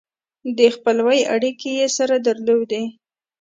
د خپلوۍ اړیکې یې سره درلودې.